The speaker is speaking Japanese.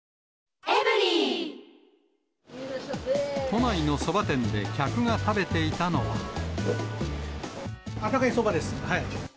都内のそば店で客が食べていあったかいそばです。